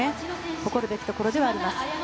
誇るべきところではあります。